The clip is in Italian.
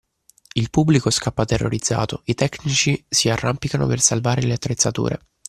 Il pubblico scappa terrorizzato, i tecnici si arrampicano per salvare le attrezzature